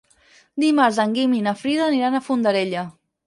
Dimarts en Guim i na Frida aniran a Fondarella.